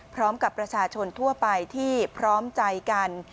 พร้อมกับประชาชนทั่วไปที่พร้อมใจกัน